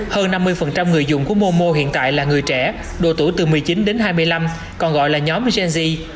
hơn năm mươi người dùng của momo hiện tại là người trẻ đồ tủ từ một mươi chín đến hai mươi năm còn gọi là nhóm gen z